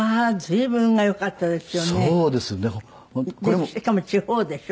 でしかも地方でしょ？